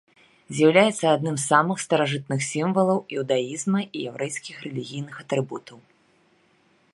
З'яўляецца адным з самых старажытных сімвалаў іўдаізму і яўрэйскіх рэлігійных атрыбутаў.